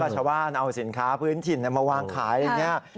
ชาวบ้านเอาสินค้าพื้นถิ่นมาวางขายอะไรอย่างนี้